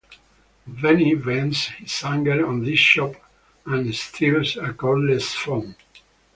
Benny vents his anger on this shop and steals a cordless phone.